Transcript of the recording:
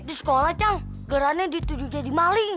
di sekolah cang gerhana dituduh jadi maling